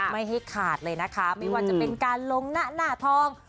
ไม่ให้ขาดเลยนะคะไม่ว่าจะเป็นการลงหน้าหน้าทอง